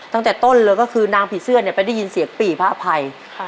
ตั้งแต่ต้นเลยก็คือนางผีเสื้อเนี่ยไปได้ยินเสียงปี่พระอภัย